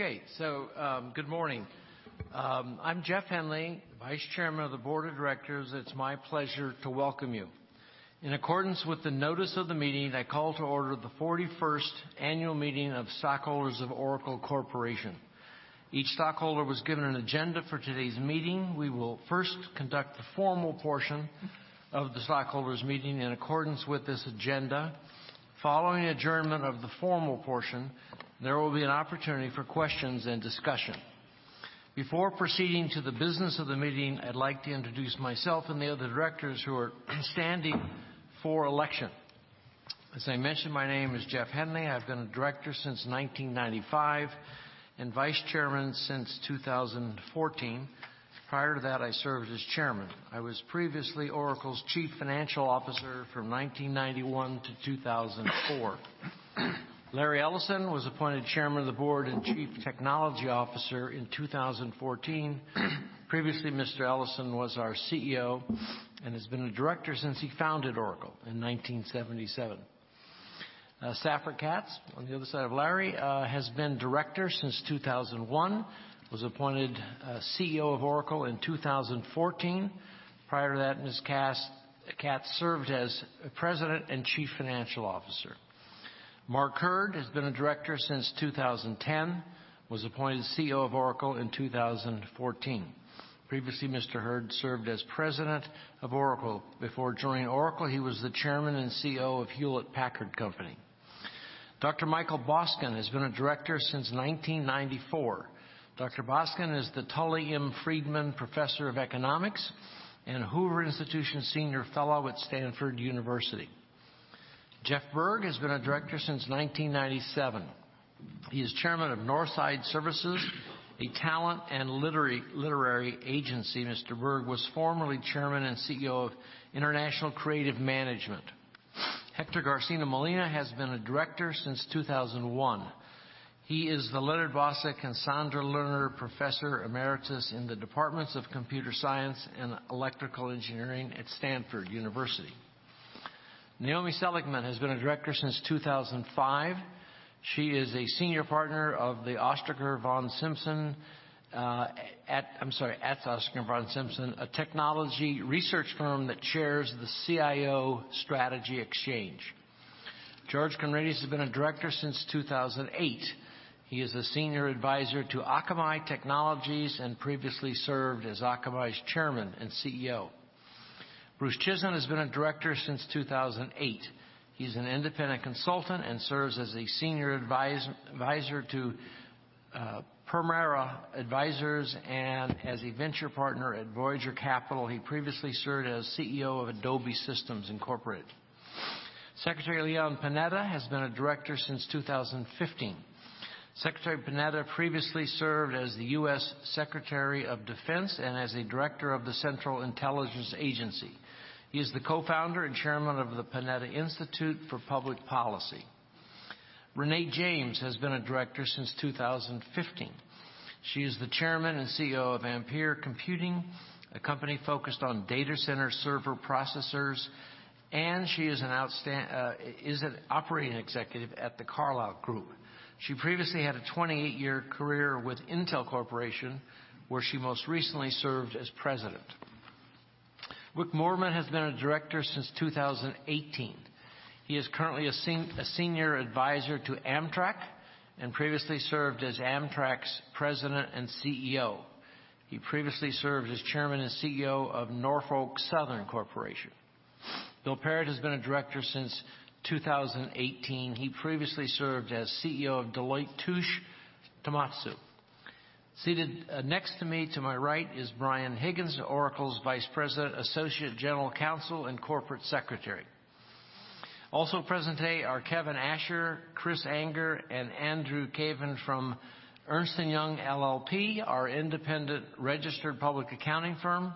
Okay. Good morning. I'm Jeff Henley, Vice Chairman of the Board of Directors. It's my pleasure to welcome you. In accordance with the notice of the meeting, I call to order the 41st annual meeting of stockholders of Oracle Corporation. Each stockholder was given an agenda for today's meeting. We will first conduct the formal portion of the stockholders meeting in accordance with this agenda. Following adjournment of the formal portion, there will be an opportunity for questions and discussion. Before proceeding to the business of the meeting, I'd like to introduce myself and the other directors who are standing for election. As I mentioned, my name is Jeff Henley. I've been a director since 1995 and Vice Chairman since 2014. Prior to that, I served as Chairman. I was previously Oracle's Chief Financial Officer from 1991 to 2004. Larry Ellison was appointed Chairman of the Board and Chief Technology Officer in 2014. Previously, Mr. Ellison was our CEO and has been a director since he founded Oracle in 1977. Safra Catz, on the other side of Larry, has been a director since 2001, was appointed CEO of Oracle in 2014. Prior to that, Ms. Catz served as President and Chief Financial Officer. Mark Hurd has been a director since 2010, was appointed CEO of Oracle in 2014. Previously, Mr. Hurd served as President of Oracle. Before joining Oracle, he was the Chairman and CEO of Hewlett-Packard Company. Dr. Michael Boskin has been a director since 1994. Dr. Boskin is the Tully M. Friedman Professor of Economics and Hoover Institution Senior Fellow at Stanford University. Jeff Berg has been a director since 1997. He is Chairman of Northside Services, a talent and literary agency. Mr. Berg was formerly Chairman and CEO of International Creative Management. Hector Garcia-Molina has been a director since 2001. He is the Leonard Bosack and Sandra Lerner Professor Emeritus in the Departments of Computer Science and Electrical Engineering at Stanford University. Naomi Seligman has been a director since 2005. She is a senior partner of Ostriker von Simson, Inc., a technology research firm that chairs the CIO Strategy Exchange. George Conrades has been a director since 2008. He is a senior advisor to Akamai Technologies and previously served as Akamai's Chairman and CEO. Bruce Chizen has been a director since 2008. He is an independent consultant and serves as a senior advisor to Permira Advisers and as a venture partner at Voyager Capital. He previously served as CEO of Adobe Systems Incorporated. Secretary Leon Panetta has been a director since 2015. Secretary Panetta previously served as the U.S. Secretary of Defense and as a director of the Central Intelligence Agency. He is the co-founder and chairman of the Panetta Institute for Public Policy. Renee James has been a director since 2015. She is the Chairman and CEO of Ampere Computing, a company focused on data center server processors, and she is an operating executive at The Carlyle Group. She previously had a 28-year career with Intel Corporation, where she most recently served as president. Wick Moorman has been a director since 2018. He is currently a senior advisor to Amtrak and previously served as Amtrak's President and CEO. He previously served as Chairman and CEO of Norfolk Southern Corporation. Bill Parrett has been a director since 2018. He previously served as CEO of Deloitte Touche Tohmatsu. Seated next to me, to my right, is Brian Higgins, Oracle's Vice President, Associate General Counsel, and Corporate Secretary. Also present today are Kevin Asher, Chris Anger, and Andrew Cavin from Ernst & Young LLP, our independent registered public accounting firm.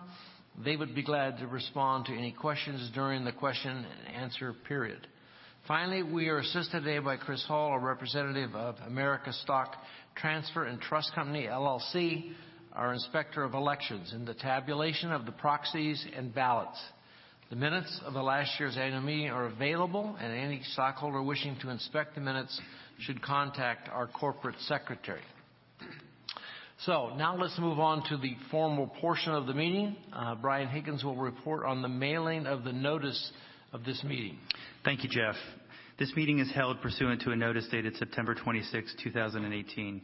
They would be glad to respond to any questions during the question and answer period. Finally, we are assisted today by Chris Hall, a representative of American Stock Transfer & Trust Company, LLC, our inspector of elections in the tabulation of the proxies and ballots. The minutes of the last year's annual meeting are available, and any stockholder wishing to inspect the minutes should contact our corporate secretary. Now let's move on to the formal portion of the meeting. Brian Higgins will report on the mailing of the notice of this meeting. Thank you, Jeff. This meeting is held pursuant to a notice dated September 26th, 2018.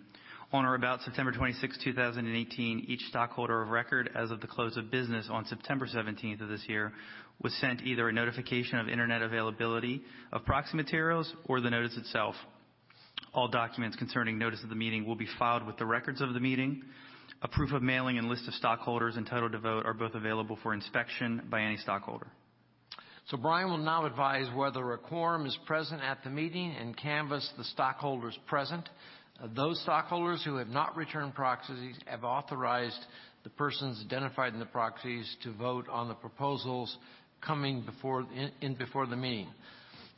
On or about September 26th, 2018, each stockholder of record as of the close of business on September 17th of this year was sent either a notification of internet availability of proxy materials or the notice itself. All documents concerning notice of the meeting will be filed with the records of the meeting. A proof of mailing and list of stockholders entitled to vote are both available for inspection by any stockholder. Brian will now advise whether a quorum is present at the meeting and canvass the stockholders present. Those stockholders who have not returned proxies have authorized the persons identified in the proxies to vote on the proposals coming in before the meeting.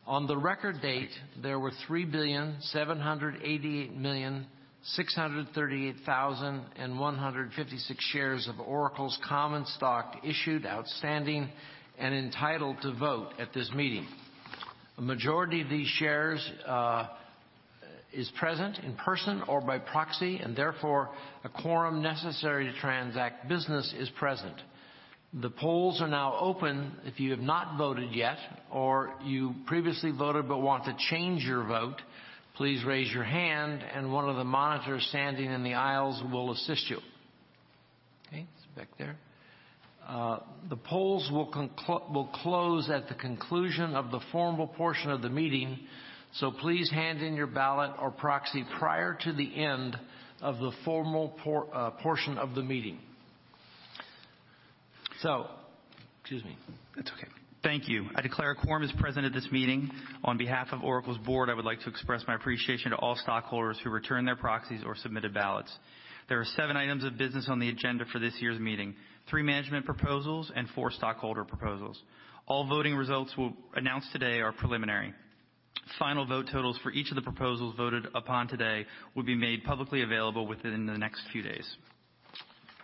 On the record date, there were 3,788,638,156 shares of Oracle's common stock issued, outstanding, and entitled to vote at this meeting. A majority of these shares is present in person or by proxy, and therefore, a quorum necessary to transact business is present. The polls are now open. If you have not voted yet or you previously voted but want to change your vote, please raise your hand and one of the monitors standing in the aisles will assist you. Okay. It's back there. The polls will close at the conclusion of the formal portion of the meeting, so please hand in your ballot or proxy prior to the end of the formal portion of the meeting. Excuse me. That's okay. Thank you. I declare a quorum is present at this meeting. On behalf of Oracle's board, I would like to express my appreciation to all stockholders who returned their proxies or submitted ballots. There are seven items of business on the agenda for this year's meeting, three management proposals and four stockholder proposals. All voting results we'll announce today are preliminary. Final vote totals for each of the proposals voted upon today will be made publicly available within the next few days.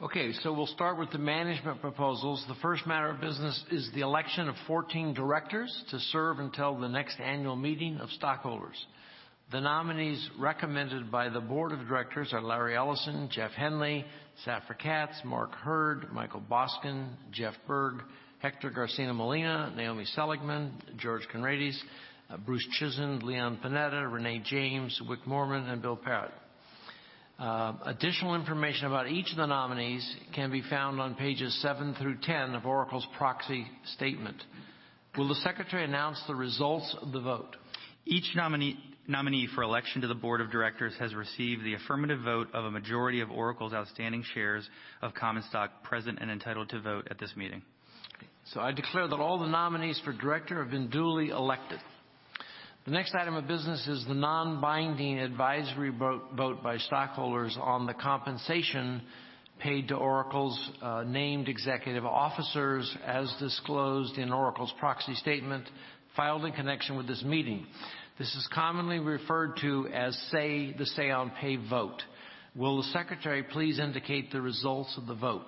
Okay, we'll start with the management proposals. The first matter of business is the election of 14 directors to serve until the next annual meeting of stockholders. The nominees recommended by the board of directors are Larry Ellison, Jeff Henley, Safra Catz, Mark Hurd, Michael Boskin, Jeff Berg, Hector Garcia-Molina, Naomi Seligman, George Conrades, Bruce Chizen, Leon Panetta, Renee James, Wick Moorman, and Bill Parrett. Additional information about each of the nominees can be found on pages seven through ten of Oracle's proxy statement. Will the secretary announce the results of the vote? Each nominee for election to the board of directors has received the affirmative vote of a majority of Oracle's outstanding shares of common stock present and entitled to vote at this meeting. I declare that all the nominees for director have been duly elected. The next item of business is the non-binding advisory vote by stockholders on the compensation paid to Oracle's named executive officers, as disclosed in Oracle's proxy statement filed in connection with this meeting. This is commonly referred to as the Say-on-Pay vote. Will the secretary please indicate the results of the vote?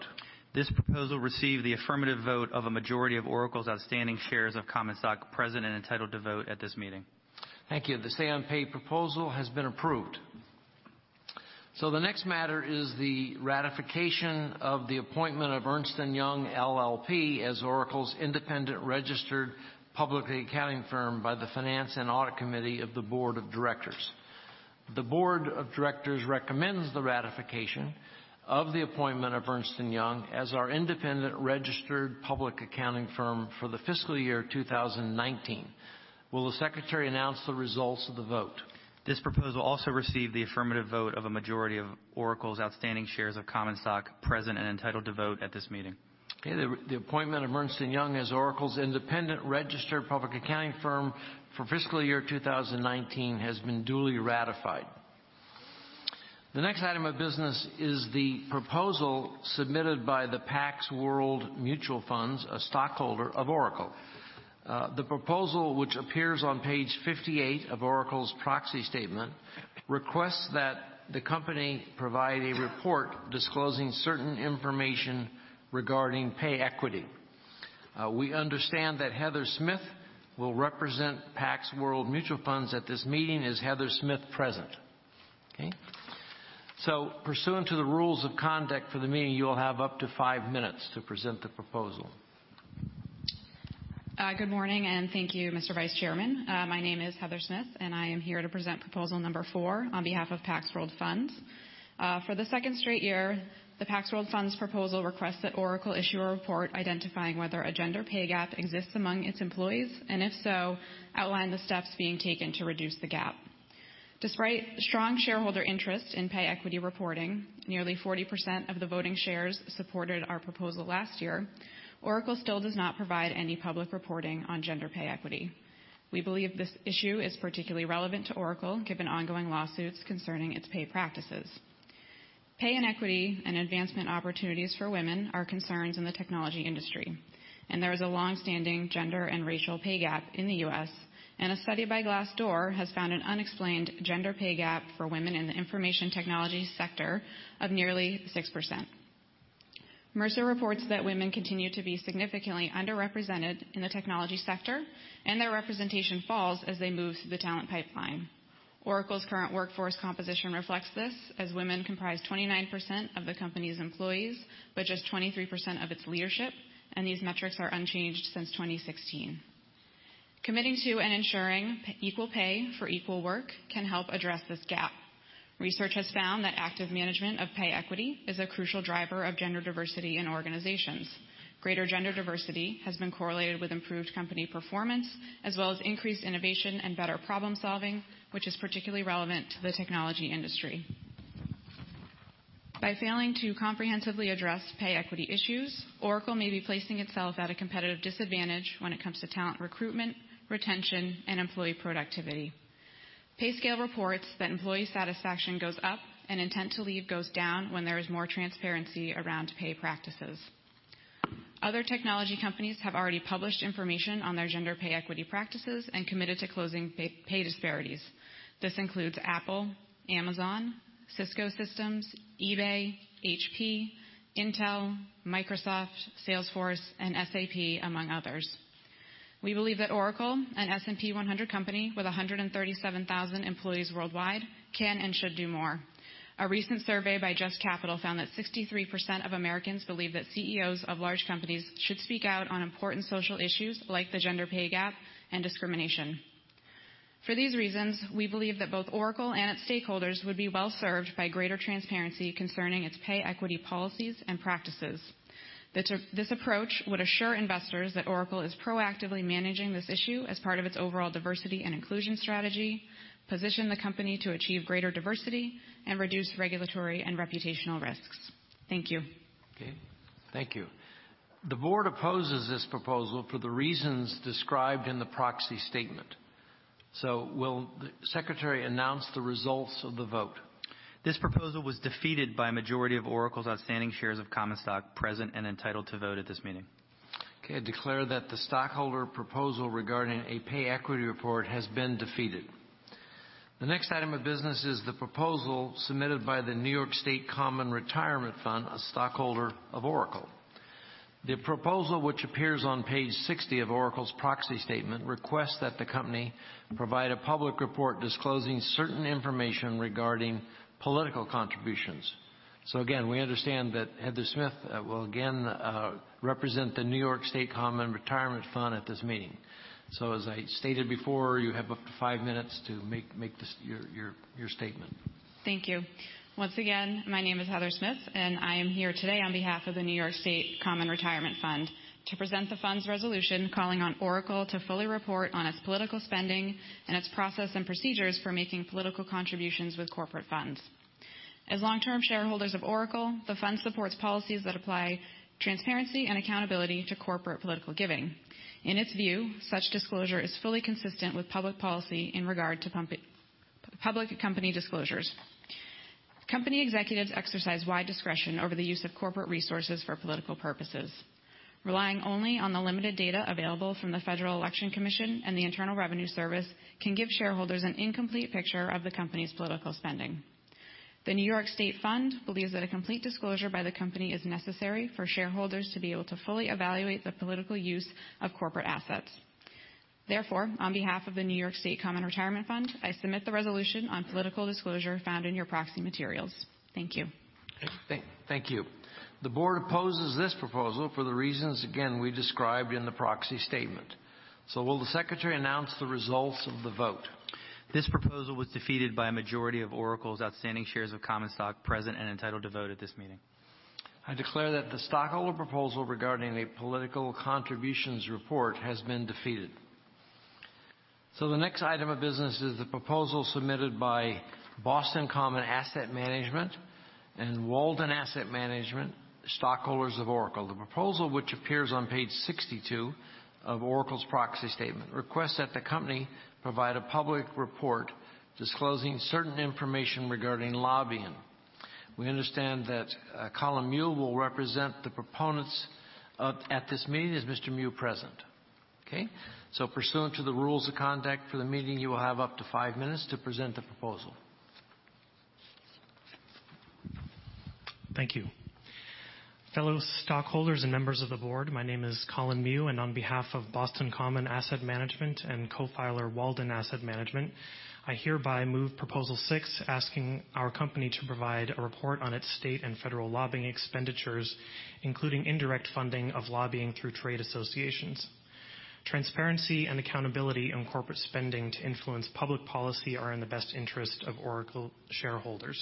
This proposal received the affirmative vote of a majority of Oracle's outstanding shares of common stock present and entitled to vote at this meeting. Thank you. The Say-on-Pay proposal has been approved. The next matter is the ratification of the appointment of Ernst & Young LLP as Oracle's independent registered public accounting firm by the Finance and Audit Committee of the board of directors. The board of directors recommends the ratification of the appointment of Ernst & Young as our independent registered public accounting firm for the fiscal year 2019. Will the secretary announce the results of the vote? This proposal also received the affirmative vote of a majority of Oracle's outstanding shares of common stock present and entitled to vote at this meeting. Okay. The appointment of Ernst & Young as Oracle's independent registered public accounting firm for fiscal year 2019 has been duly ratified. The next item of business is the proposal submitted by the Pax World Mutual Funds, a stockholder of Oracle. The proposal, which appears on page 58 of Oracle's proxy statement, requests that the company provide a report disclosing certain information regarding pay equity. We understand that Heather Smith will represent Pax World Mutual Funds at this meeting. Is Heather Smith present? Okay. Pursuant to the rules of conduct for the meeting, you will have up to five minutes to present the proposal. Good morning, and thank you, Mr. Vice Chairman. My name is Heather Smith, and I am here to present proposal number four on behalf of Pax World Mutual Funds. For the second straight year, the Pax World Mutual Funds proposal requests that Oracle issue a report identifying whether a gender pay gap exists among its employees, and if so, outline the steps being taken to reduce the gap. Despite strong shareholder interest in pay equity reporting, nearly 40% of the voting shares supported our proposal last year. Oracle still does not provide any public reporting on gender pay equity. We believe this issue is particularly relevant to Oracle, given ongoing lawsuits concerning its pay practices. Pay inequity and advancement opportunities for women are concerns in the technology industry. There is a longstanding gender and racial pay gap in the U.S. A study by Glassdoor has found an unexplained gender pay gap for women in the information technology sector of nearly 6%. Mercer reports that women continue to be significantly underrepresented in the technology sector, and their representation falls as they move through the talent pipeline. Oracle's current workforce composition reflects this, as women comprise 29% of the company's employees, but just 23% of its leadership. These metrics are unchanged since 2016. Committing to and ensuring equal pay for equal work can help address this gap. Research has found that active management of pay equity is a crucial driver of gender diversity in organizations. Greater gender diversity has been correlated with improved company performance, as well as increased innovation and better problem-solving, which is particularly relevant to the technology industry. By failing to comprehensively address pay equity issues, Oracle may be placing itself at a competitive disadvantage when it comes to talent recruitment, retention, and employee productivity. PayScale reports that employee satisfaction goes up and intent to leave goes down when there is more transparency around pay practices. Other technology companies have already published information on their gender pay equity practices and committed to closing pay disparities. This includes Apple, Amazon, Cisco Systems, eBay, HP, Intel, Microsoft, Salesforce, and SAP, among others. We believe that Oracle, an S&P 100 company with 137,000 employees worldwide, can and should do more. A recent survey by JUST Capital found that 63% of Americans believe that CEOs of large companies should speak out on important social issues like the gender pay gap and discrimination. For these reasons, we believe that both Oracle and its stakeholders would be well-served by greater transparency concerning its pay equity policies and practices. This approach would assure investors that Oracle is proactively managing this issue as part of its overall diversity and inclusion strategy, position the company to achieve greater diversity, and reduce regulatory and reputational risks. Thank you. Okay. Thank you. The board opposes this proposal for the reasons described in the proxy statement. Will the secretary announce the results of the vote? This proposal was defeated by a majority of Oracle's outstanding shares of common stock present and entitled to vote at this meeting. Okay, I declare that the stockholder proposal regarding a pay equity report has been defeated. The next item of business is the proposal submitted by the New York State Common Retirement Fund, a stockholder of Oracle. The proposal, which appears on page 60 of Oracle's proxy statement, requests that the company provide a public report disclosing certain information regarding political contributions. Again, we understand that Heather Smith will again represent the New York State Common Retirement Fund at this meeting. As I stated before, you have up to five minutes to make your statement. Thank you. Once again, my name is Heather Smith, and I am here today on behalf of the New York State Common Retirement Fund to present the fund's resolution calling on Oracle to fully report on its political spending and its process and procedures for making political contributions with corporate funds. As long-term shareholders of Oracle, the fund supports policies that apply transparency and accountability to corporate political giving. In its view, such disclosure is fully consistent with public policy in regard to public company disclosures. Company executives exercise wide discretion over the use of corporate resources for political purposes. Relying only on the limited data available from the Federal Election Commission and the Internal Revenue Service can give shareholders an incomplete picture of the company's political spending. The New York State Fund believes that a complete disclosure by the company is necessary for shareholders to be able to fully evaluate the political use of corporate assets. Therefore, on behalf of the New York State Common Retirement Fund, I submit the resolution on political disclosure found in your proxy materials. Thank you. Thank you. The board opposes this proposal for the reasons, again, we described in the proxy statement. Will the secretary announce the results of the vote? This proposal was defeated by a majority of Oracle's outstanding shares of common stock present and entitled to vote at this meeting. I declare that the stockholder proposal regarding a political contributions report has been defeated. The next item of business is the proposal submitted by Boston Common Asset Management and Walden Asset Management, stockholders of Oracle. The proposal, which appears on page 62 of Oracle's proxy statement, requests that the company provide a public report disclosing certain information regarding lobbying. We understand that Colin Mew will represent the proponents at this meeting. Is Mr. Mew present? Okay, pursuant to the rules of conduct for the meeting, you will have up to five minutes to present the proposal. Thank you. Fellow stockholders and members of the board, my name is Colin Mew, and on behalf of Boston Common Asset Management and co-filer Walden Asset Management, I hereby move proposal 6, asking our company to provide a report on its state and federal lobbying expenditures, including indirect funding of lobbying through trade associations. Transparency and accountability in corporate spending to influence public policy are in the best interest of Oracle shareholders.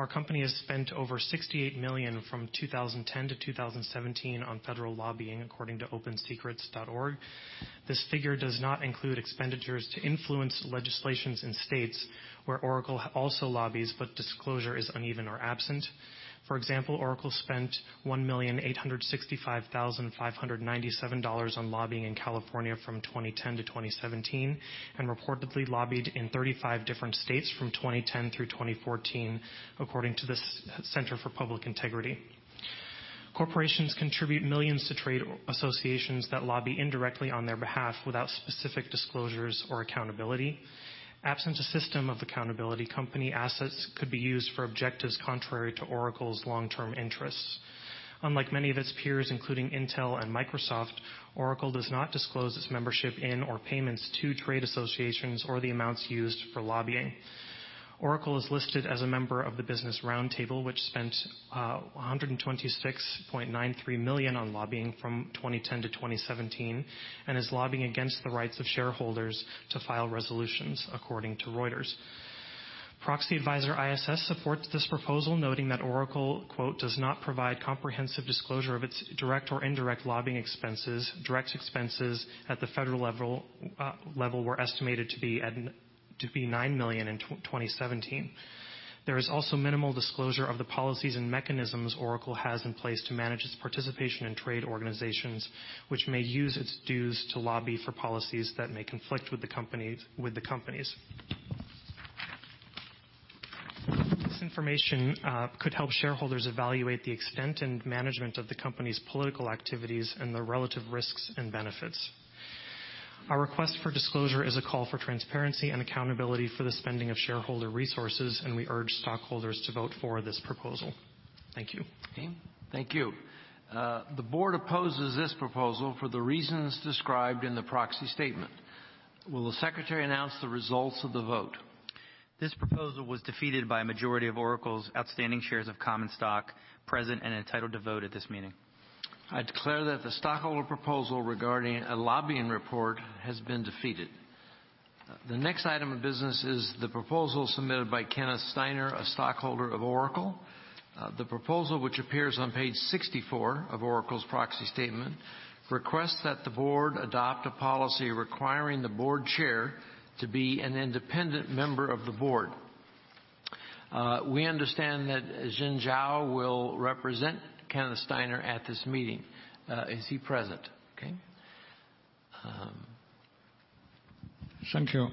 Our company has spent over $68 million from 2010 to 2017 on federal lobbying, according to OpenSecrets.org. This figure does not include expenditures to influence legislations in states where Oracle also lobbies, but disclosure is uneven or absent. For example, Oracle spent $1,865,597 on lobbying in California from 2010 to 2017 and reportedly lobbied in 35 different states from 2010 through 2014, according to the Center for Public Integrity. Corporations contribute millions to trade associations that lobby indirectly on their behalf without specific disclosures or accountability. Absent a system of accountability, company assets could be used for objectives contrary to Oracle's long-term interests. Unlike many of its peers, including Intel and Microsoft, Oracle does not disclose its membership in or payments to trade associations or the amounts used for lobbying. Oracle is listed as a member of the Business Roundtable, which spent $126.93 million on lobbying from 2010 to 2017, and is lobbying against the rights of shareholders to file resolutions, according to Reuters. Proxy adviser ISS supports this proposal, noting that Oracle, quote, "Does not provide comprehensive disclosure of its direct or indirect lobbying expenses. Direct expenses at the federal level were estimated to be $9 million in 2017. There is also minimal disclosure of the policies and mechanisms Oracle has in place to manage its participation in trade organizations, which may use its dues to lobby for policies that may conflict with the company's." This information could help shareholders evaluate the extent and management of the company's political activities and the relative risks and benefits. Our request for disclosure is a call for transparency and accountability for the spending of shareholder resources, and we urge stockholders to vote for this proposal. Thank you. Okay. Thank you. The board opposes this proposal for the reasons described in the proxy statement. Will the secretary announce the results of the vote? This proposal was defeated by a majority of Oracle's outstanding shares of common stock present and entitled to vote at this meeting. I declare that the stockholder proposal regarding a lobbying report has been defeated. The next item of business is the proposal submitted by Kenneth Steiner, a stockholder of Oracle. The proposal, which appears on page 64 of Oracle's proxy statement, requests that the board adopt a policy requiring the board chair to be an independent member of the board. We understand that Jin Zhao will represent Kenneth Steiner at this meeting. Is he present? Okay. Thank you.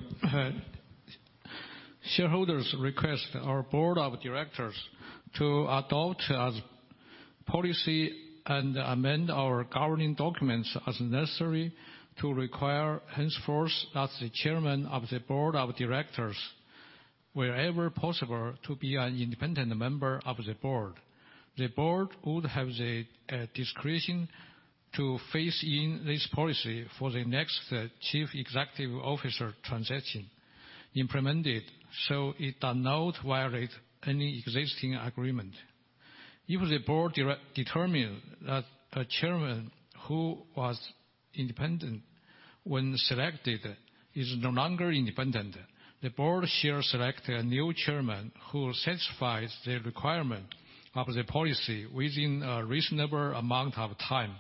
Shareholders request our board of directors to adopt a policy and amend our governing documents as necessary to require henceforth that the chairman of the board of directors, wherever possible, to be an independent member of the board. The board would have the discretion to phase in this policy for the next chief executive officer transaction implemented so it does not violate any existing agreement. If the board determine that a chairman who was independent when selected is no longer independent, the board shall select a new chairman who satisfies the requirement of the policy within a reasonable amount of time.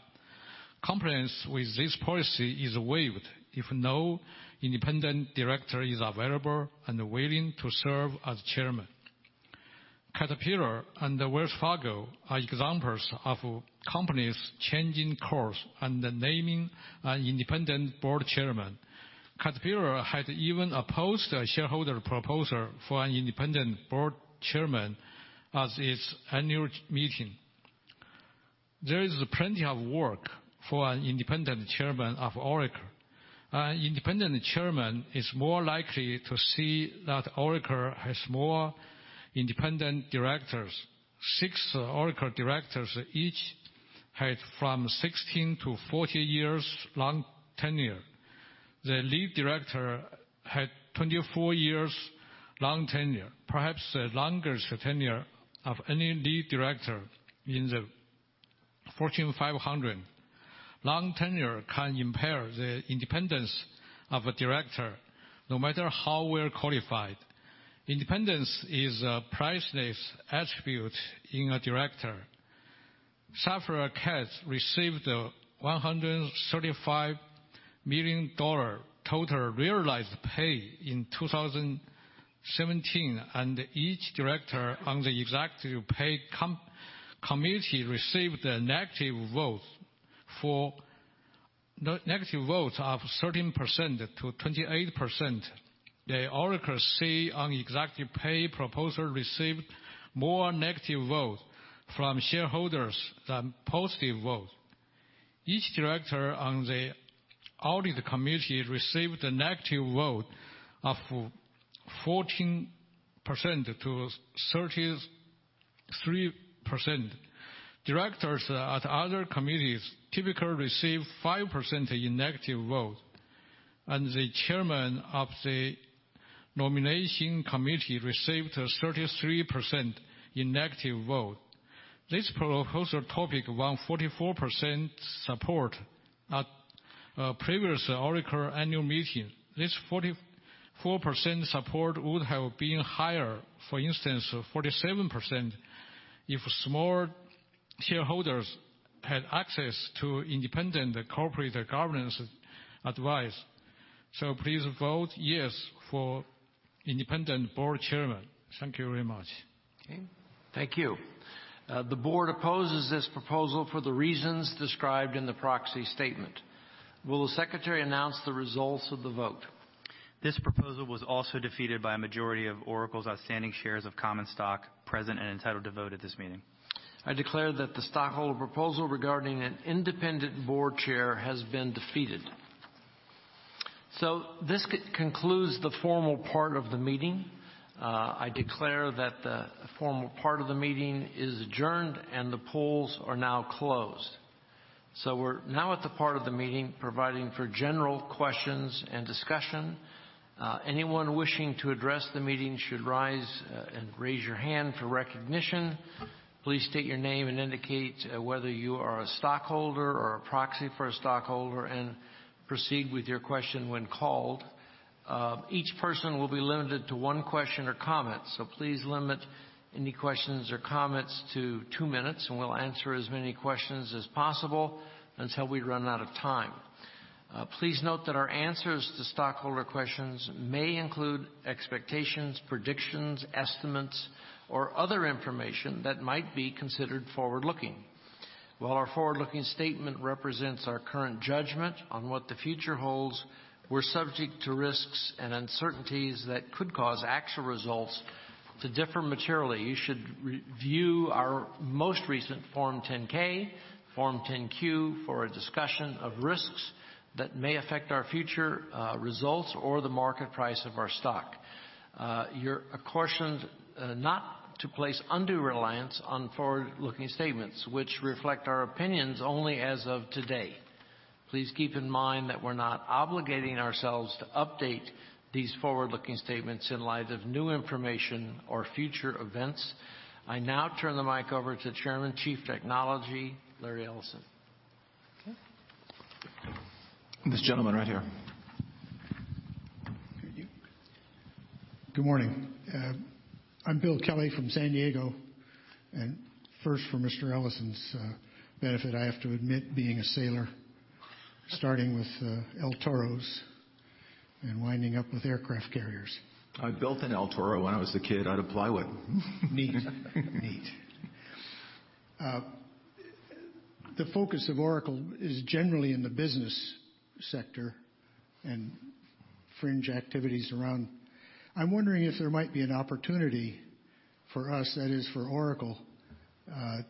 Compliance with this policy is waived if no independent director is available and willing to serve as chairman. Caterpillar and Wells Fargo are examples of companies changing course and naming an independent board chairman. Caterpillar had even opposed a shareholder proposal for an independent board chairman at its annual meeting. There is plenty of work for an independent chairman of Oracle. An independent chairman is more likely to see that Oracle has more independent directors. Six Oracle directors each had from 16 to 14 years long tenure. The lead director had 24 years long tenure, perhaps the longest tenure of any lead director in the Fortune 500. Long tenure can impair the independence of a director, no matter how well qualified. Independence is a priceless attribute in a director. Safra Catz received a $135 million total realized pay in 2017, and each director on the executive pay committee received a negative vote of 13%-28%. The Oracle say on executive pay proposal received more negative votes from shareholders than positive votes. Each director on the audit committee received a negative vote of 14%-33%. Directors at other committees typically receive 5% in negative votes, and the chairman of the nomination committee received a 33% negative vote. This proposal topic won 44% support at previous Oracle annual meeting. This 44% support would have been higher, for instance, 47%, if small shareholders had access to independent corporate governance advice. Please vote yes for independent board chairman. Thank you very much. Okay. Thank you. The board opposes this proposal for the reasons described in the proxy statement. Will the secretary announce the results of the vote? This proposal was also defeated by a majority of Oracle's outstanding shares of common stock present and entitled to vote at this meeting. I declare that the stockholder proposal regarding an independent board chair has been defeated. This concludes the formal part of the meeting. I declare that the formal part of the meeting is adjourned and the polls are now closed. We're now at the part of the meeting providing for general questions and discussion. Anyone wishing to address the meeting should rise and raise your hand for recognition. Please state your name and indicate whether you are a stockholder or a proxy for a stockholder, and proceed with your question when called. Each person will be limited to one question or comment, so please limit any questions or comments to two minutes, and we'll answer as many questions as possible until we run out of time. Please note that our answers to stockholder questions may include expectations, predictions, estimates, or other information that might be considered forward-looking. While our forward-looking statement represents our current judgment on what the future holds, we are subject to risks and uncertainties that could cause actual results to differ materially. You should review our most recent Form 10-K, Form 10-Q for a discussion of risks that may affect our future results or the market price of our stock. You are cautioned not to place undue reliance on forward-looking statements, which reflect our opinions only as of today. Please keep in mind that we are not obligating ourselves to update these forward-looking statements in light of new information or future events. I now turn the mic over to Chairman Chief Technology, Larry Ellison. Okay. This gentleman right here. Thank you. Good morning. I am Bill Kelly from San Diego. First for Mr. Ellison's benefit, I have to admit being a sailor, starting with El Toros and winding up with aircraft carriers. I built an El Toro when I was a kid out of plywood. Neat. The focus of Oracle is generally in the business sector and fringe activities around. I'm wondering if there might be an opportunity for us, that is, for Oracle,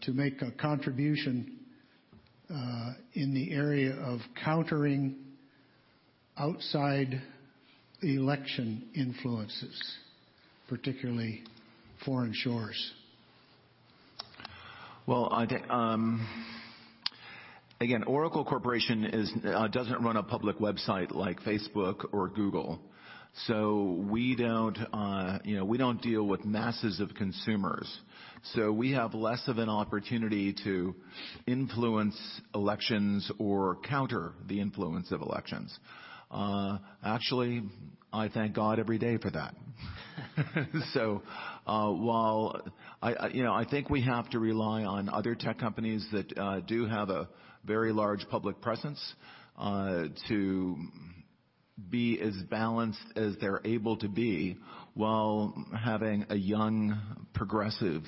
to make a contribution in the area of countering outside election influences, particularly foreign shores. Well, again, Oracle Corporation doesn't run a public website like Facebook or Google. We don't deal with masses of consumers, we have less of an opportunity to influence elections or counter the influence of elections. Actually, I thank God every day for that. While I think we have to rely on other tech companies that do have a very large public presence to be as balanced as they're able to be while having a young, progressive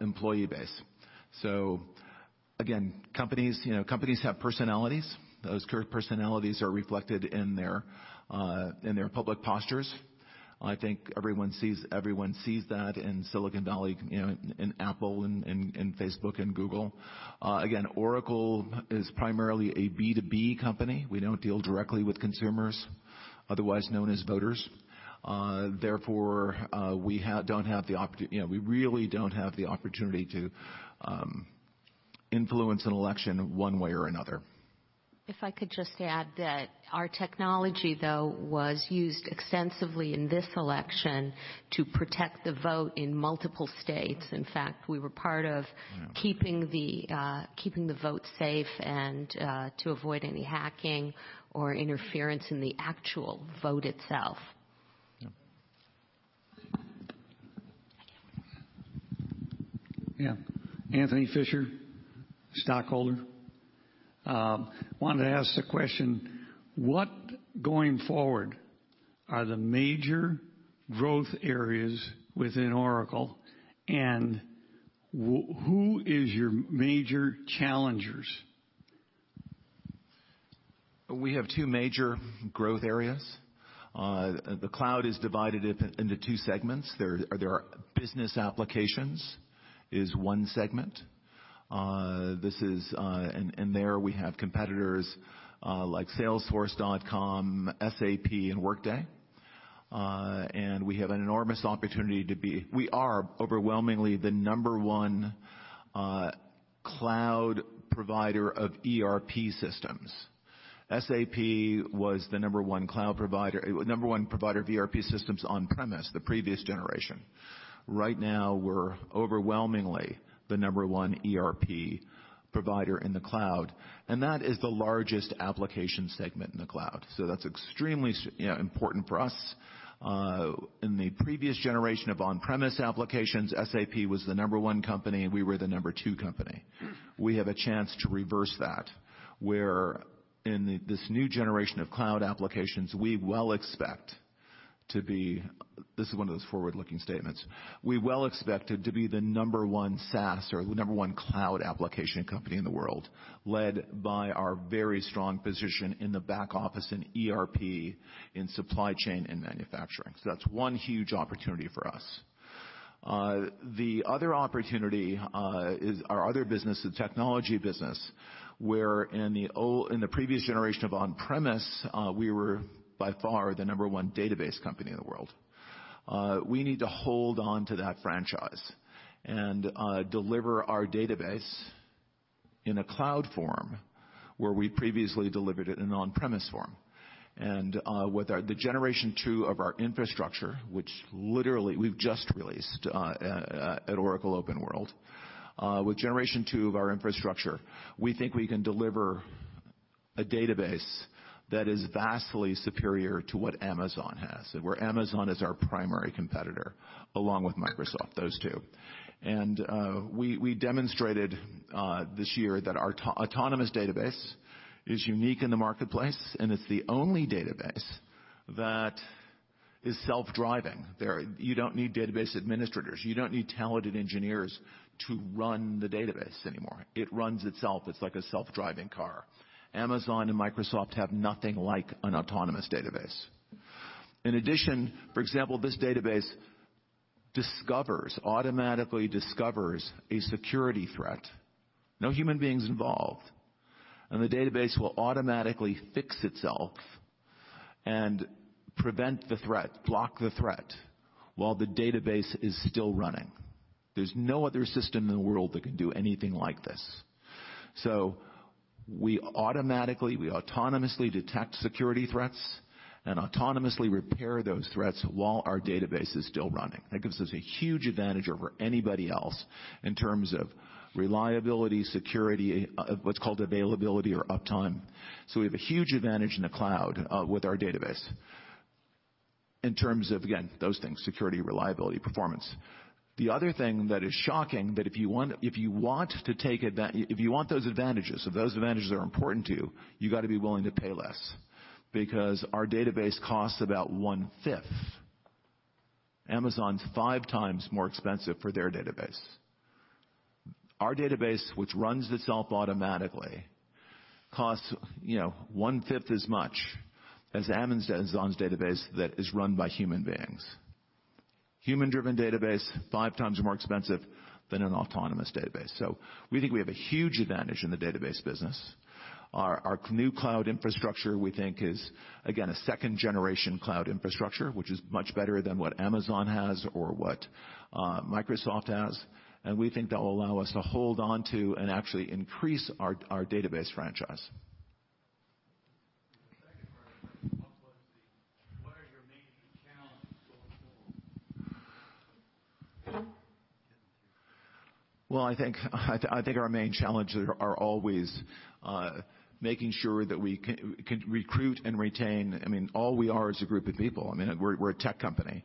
employee base. Again, companies have personalities. Those personalities are reflected in their public postures. I think everyone sees that in Silicon Valley, in Apple, in Facebook, and Google. Oracle is primarily a B2B company. We don't deal directly with consumers, otherwise known as voters. We really don't have the opportunity to influence an election one way or another. If I could just add that our technology, though, was used extensively in this election to protect the vote in multiple states. In fact, we were part of keeping the vote safe and to avoid any hacking or interference in the actual vote itself. Yep. Yeah. Anthony Fisher, stockholder. Wanted to ask the question, what, going forward, are the major growth areas within Oracle, and who is your major challengers? We have two major growth areas. The cloud is divided into two segments. Business Applications is one segment. In there we have competitors like Salesforce.com, SAP, and Workday. We have an enormous opportunity to be we are overwhelmingly the number one cloud provider of ERP systems. SAP was the number one provider of ERP systems on-premise, the previous generation. Right now, we're overwhelmingly the number one ERP provider in the cloud, and that is the largest application segment in the cloud. That's extremely important for us. In the previous generation of on-premise applications, SAP was the number one company, and we were the number two company. We have a chance to reverse that, where in this new generation of cloud applications, we well expect to be this is one of those forward-looking statements. We well expect it to be the number one SaaS or number one cloud application company in the world, led by our very strong position in the back office in ERP, in supply chain, and manufacturing. That's one huge opportunity for us. The other opportunity is our other business, the technology business, where in the previous generation of on-premise, we were by far the number one database company in the world. We need to hold onto that franchise and deliver our database in a cloud form where we previously delivered it in on-premise form. With the generation two of our infrastructure, which literally we've just released at Oracle OpenWorld. With generation two of our infrastructure, we think we can deliver a database that is vastly superior to what Amazon has, where Amazon is our primary competitor along with Microsoft, those two. We demonstrated this year that our Oracle Autonomous Database is unique in the marketplace, and it's the only database that is self-driving. You don't need database administrators. You don't need talented engineers to run the database anymore. It runs itself. It's like a self-driving car. Amazon and Microsoft have nothing like an Oracle Autonomous Database. In addition, for example, this database automatically discovers a security threat. No human beings involved. The database will automatically fix itself and prevent the threat, block the threat while the database is still running. There's no other system in the world that can do anything like this. We automatically, we autonomously detect security threats and autonomously repair those threats while our database is still running. That gives us a huge advantage over anybody else in terms of reliability, security, what's called availability or uptime. We have a huge advantage in the cloud with our database in terms of, again, those things, security, reliability, performance. The other thing that is shocking, if you want those advantages, if those advantages are important to you got to be willing to pay less because our database costs about one-fifth. Amazon's five times more expensive for their database. Our database, which runs itself automatically, costs one-fifth as much as Amazon's database that is run by human beings. Human-driven database, five times more expensive than an autonomous database. We think we have a huge advantage in the database business. Our new cloud infrastructure, we think is, again, a second-generation cloud infrastructure, which is much better than what Amazon has or what Microsoft has. We think that will allow us to hold onto and actually increase our database franchise. The second part of the question was, what are your main challenges going forward? Well, I think our main challenges are always making sure that we can recruit and retain. All we are is a group of people. We're a tech company.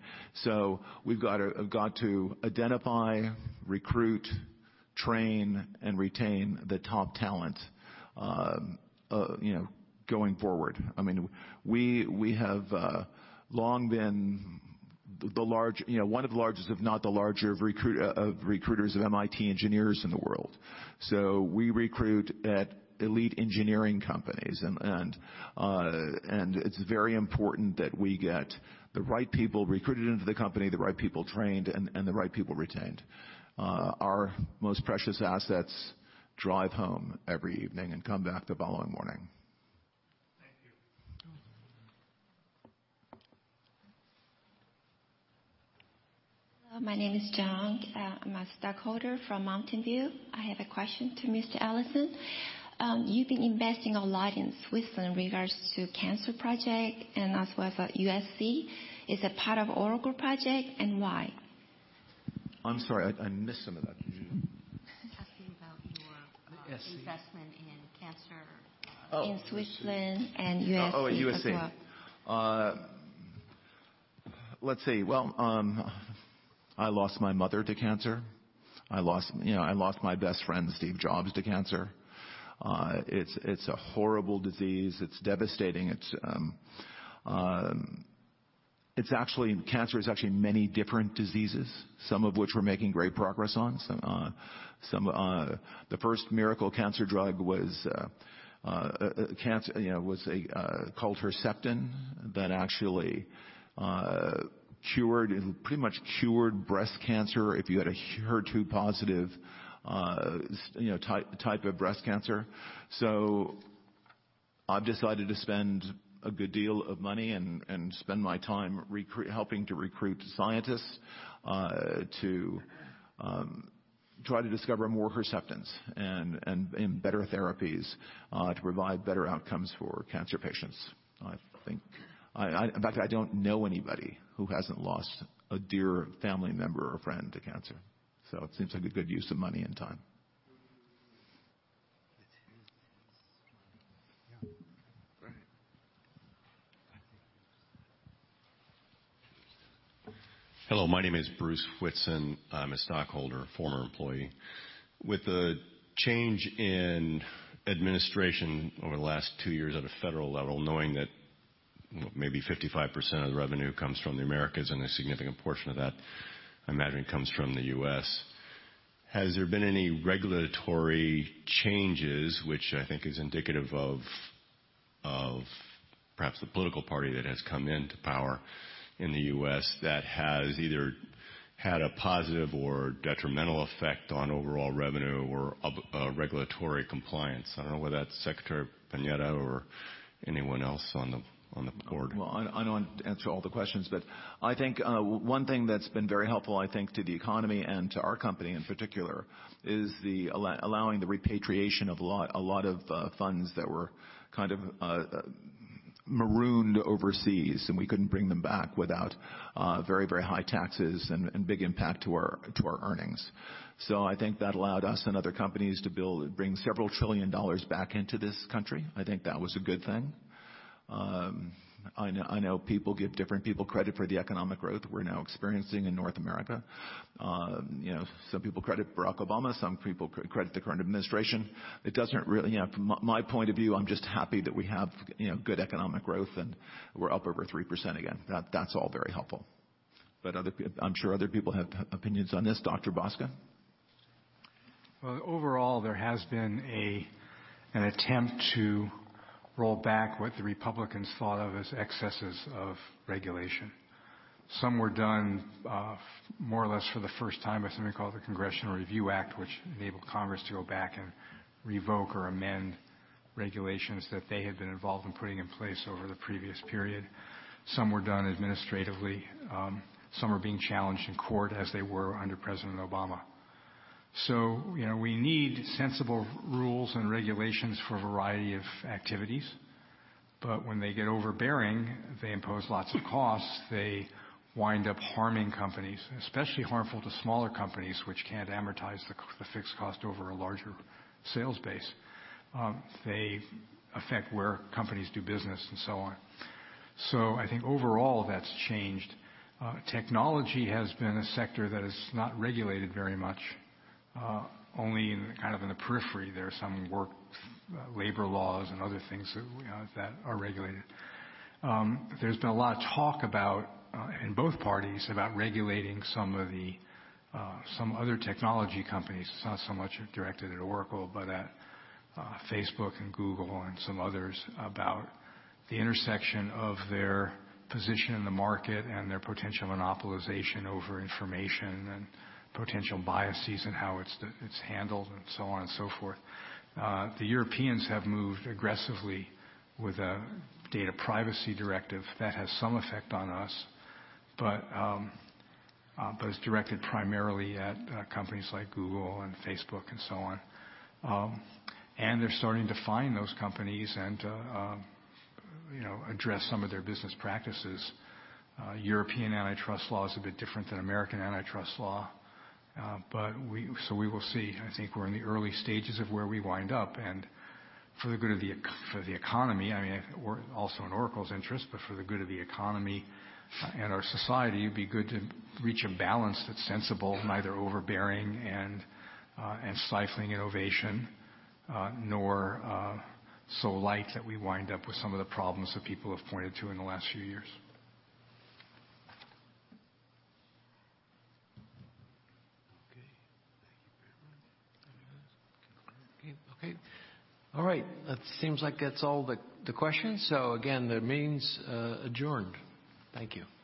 We've got to identify, recruit, train, and retain the top talent going forward. We have long been one of the largest, if not the largest recruiters of MIT engineers in the world. We recruit at elite engineering companies, and it's very important that we get the right people recruited into the company, the right people trained, and the right people retained. Our most precious assets drive home every evening and come back the following morning. Thank you. Hello, my name is Jong. I'm a stockholder from Mountain View. I have a question to Mr. Ellison. You've been investing a lot in uncertain in regards to cancer project and as well for USC. Is it part of Oracle project and why? I'm sorry, I missed some of that. Could you- Talking about your- The USC investment in cancer- Oh in uncertain and USC as well. Oh, at USC. Let's see. Well, I lost my mother to cancer. I lost my best friend, Steve Jobs, to cancer. It's a horrible disease. It's devastating. Cancer is actually many different diseases, some of which we're making great progress on. The first miracle cancer drug was Herceptin that actually pretty much cured breast cancer if you had a HER2 positive type of breast cancer. I've decided to spend a good deal of money and spend my time helping to recruit scientists to try to discover more Herceptins and better therapies to provide better outcomes for cancer patients. In fact, I don't know anybody who hasn't lost a dear family member or friend to cancer. It seems like a good use of money and time. It is. Yeah. Right. Hello, my name is Bruce Whitson. I'm a stockholder, former employee. With the change in administration over the last two years at a federal level, knowing that maybe 55% of the revenue comes from the Americas, and a significant portion of that, I imagine comes from the U.S. Has there been any regulatory changes, which I think is indicative of perhaps the political party that has come into power in the U.S. that has either had a positive or detrimental effect on overall revenue or regulatory compliance. I don't know whether that's Secretary Panetta or anyone else on the board. I don't want to answer all the questions, but I think one thing that's been very helpful, I think, to the economy and to our company in particular, is allowing the repatriation of a lot of funds that were kind of marooned overseas, and we couldn't bring them back without very, very high taxes and big impact to our earnings. I think that allowed us and other companies to bring several trillion dollars back into this country. I think that was a good thing. I know people give different people credit for the economic growth we're now experiencing in North America. Some people credit Barack Obama, some people credit the current administration. From my point of view, I'm just happy that we have good economic growth, and we're up over 3% again. That's all very helpful. I'm sure other people have opinions on this. Dr. Boskin? Overall, there has been an attempt to roll back what the Republicans thought of as excesses of regulation. Some were done more or less for the first time by something called the Congressional Review Act, which enabled Congress to go back and revoke or amend regulations that they had been involved in putting in place over the previous period. Some were done administratively. Some are being challenged in court as they were under President Obama. We need sensible rules and regulations for a variety of activities. When they get overbearing, they impose lots of costs. They wind up harming companies, especially harmful to smaller companies, which can't amortize the fixed cost over a larger sales base. They affect where companies do business and so on. I think overall, that's changed. Technology has been a sector that is not regulated very much. Only in the periphery there are some work, labor laws and other things that are regulated. There's been a lot of talk about, in both parties, about regulating some other technology companies. It's not so much directed at Oracle, but at Facebook and Google and some others about the intersection of their position in the market and their potential monopolization over information and potential biases and how it's handled and so on and so forth. The Europeans have moved aggressively with a data privacy directive that has some effect on us, but it's directed primarily at companies like Google and Facebook and so on. They're starting to fine those companies and address some of their business practices. European antitrust law is a bit different than American antitrust law. We will see. I think we're in the early stages of where we wind up, and for the economy, also in Oracle's interest, but for the good of the economy and our society, it'd be good to reach a balance that's sensible, neither overbearing and stifling innovation, nor so light that we wind up with some of the problems that people have pointed to in the last few years. Okay. Thank you very much. Okay. All right. That seems like that's all the questions. Again, the meeting's adjourned. Thank you. Thank you.